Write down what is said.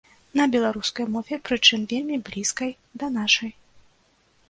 На беларускай мове, прычым вельмі блізкай да нашай.